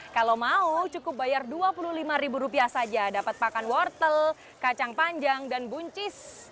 kalau mau cukup bayar dua puluh lima ribu rupiah saja dapat pakan wortel kacang panjang dan buncis